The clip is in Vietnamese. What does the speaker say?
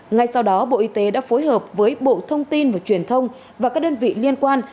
ngay sau đó bộ y tế đã phối hợp với bộ thông tin và truyền thông và các đơn vị liên quan